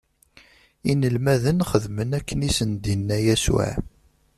Inelmaden xedmen akken i sen-d-inna Yasuɛ.